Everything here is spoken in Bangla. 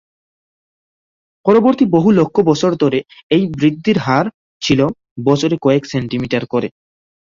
পরবর্তী বহু লক্ষ বছর ধরে এই বৃদ্ধির হার ছিল বছরে কয়েক সেন্টিমিটার করে।